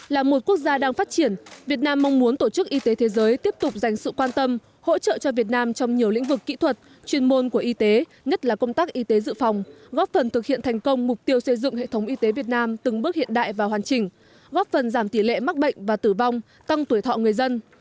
là một quốc gia đang phát triển việt nam mong muốn tổ chức y tế thế giới tiếp tục dành sự quan tâm hỗ trợ cho việt nam trong nhiều lĩnh vực kỹ thuật chuyên môn của y tế nhất là công tác y tế dự phòng góp phần thực hiện thành công mục tiêu xây dựng hệ thống y tế việt nam từng bước hiện đại và hoàn chỉnh góp phần giảm tỷ lệ mắc bệnh và tử vong tăng tuổi thọ người dân